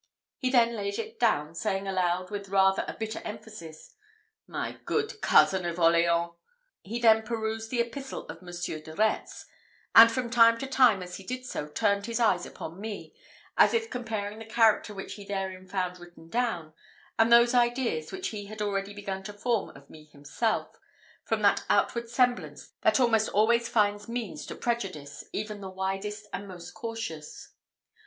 He then laid it down, saying aloud, with rather a bitter emphasis, "My good cousin of Orleans!" He then perused the epistle of Monsieur de Retz, and from time to time as he did so turned his eyes upon me, as if comparing the character which he therein found written down, with those ideas which he had already begun to form of me himself, from that outward semblance that almost always finds means to prejudice even the wisest and most cautious.